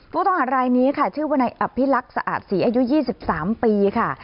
ผู้ต้องหารายนี้ค่ะชื่อวนายอภิรักษ์สะอาดศรีอายุ๒๓ปีค่ะ